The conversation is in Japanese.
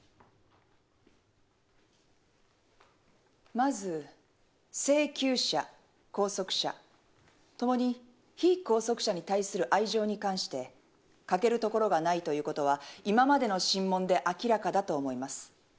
まず請求者拘束者ともに被拘束者に対する愛情に関して欠けるところがないということは今までの審問で明らかだと思います。